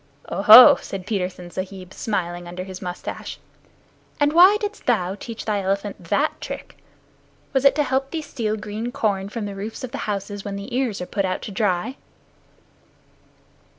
"Oho!" said Petersen Sahib, smiling underneath his mustache, "and why didst thou teach thy elephant that trick? Was it to help thee steal green corn from the roofs of the houses when the ears are put out to dry?"